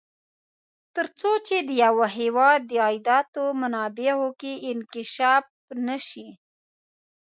تر څو چې د یوه هېواد د عایداتو منابعو کې انکشاف نه شي.